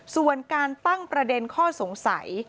ส่วนการตั้งประเด็นข้อสงสัย